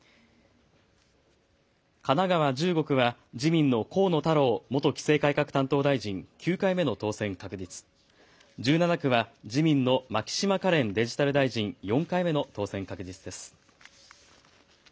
神奈川１５区は自民の河野太郎元規制改革担当大臣、９回目の当選確実、１７区は自民の牧島かれんデジタル大臣、４回目の当選確実です。